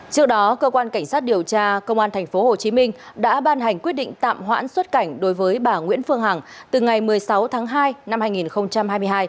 trước đó cơ quan cảnh sát điều tra công an tp hcm đã ban hành quyết định tạm hoãn xuất cảnh đối với bà nguyễn phương hằng từ ngày một mươi sáu tháng hai năm hai nghìn hai mươi hai